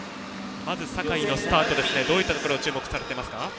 まず坂井のスタートですがどういったところに注目されますか。